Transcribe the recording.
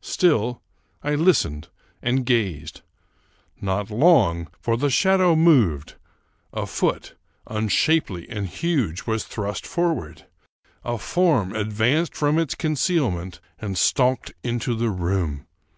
Still I listened and gazed. Not long, for the shadow moved ; a foot, unshapely and huge, was thrust forward ; a form advanced from its concealment, and stalked into the room.